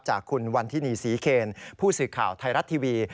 จากคุณวันทินีศรีเคนผู้สื่อข่าวไทยรัฐทีวี